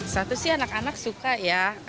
satu sih anak anak suka ya